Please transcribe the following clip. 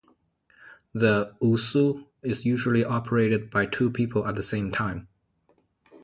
The "usu" is usually operated by two people at the same time.